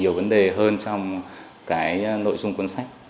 nhiều vấn đề hơn trong cái nội dung cuốn sách